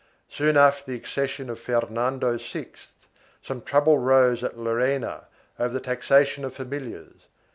Soon after the accession of Fernando VI, some trouble arose at Llerena over the taxation of familiars.